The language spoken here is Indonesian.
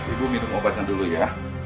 ibu minum obatnya dulu ya